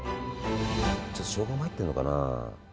ちょっとしょうがも入ってんのかな？